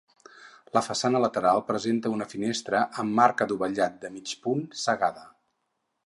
La façana lateral presenta una finestra amb arc adovellat de mig punt, cegada.